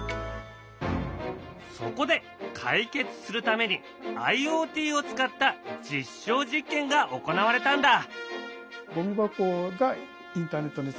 そこで解決するためにＩｏＴを使った実証実験が行われたんだ。